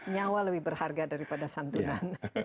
nyawa lebih berharga daripada santunan